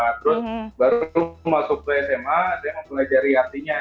terus baru masuk sma saya ngomongin dari artinya